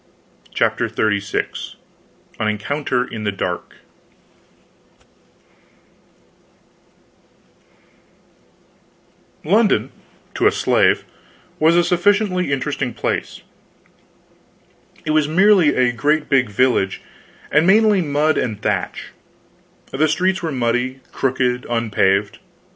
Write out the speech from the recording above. CHAPTER XXXVI AN ENCOUNTER IN THE DARK London to a slave was a sufficiently interesting place. It was merely a great big village; and mainly mud and thatch. The streets were muddy, crooked, unpaved.